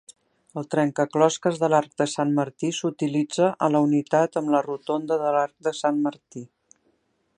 El trencaclosques de l'arc de Sant Martí s'utilitza a la unitat amb la rotonda de l'arc de Sant Martí.